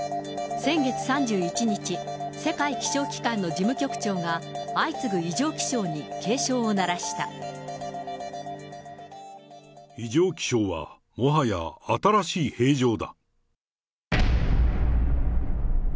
先月３１日、世界気象機関の事務局長が、異常気象は、もはや新しい平常だ。